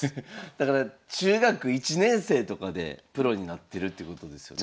だから中学１年生とかでプロになってるってことですよね？